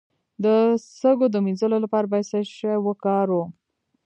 د سږو د مینځلو لپاره باید څه شی وکاروم؟